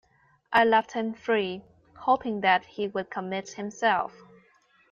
I left him free, hoping that he would commit himself.